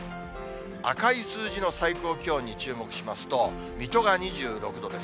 赤い数字の最高気温に注目しますと、水戸が２６度です。